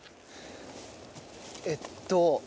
えっと